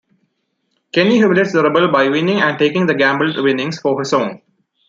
Kenny humiliates the Rebel by winning and taking the gambled winnings for his own.